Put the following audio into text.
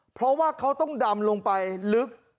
เพราะว่าเขาต้องดำลงไปลึก